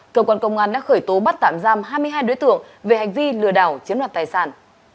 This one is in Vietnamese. tuy lừa đảo chiếm đoạt tài sản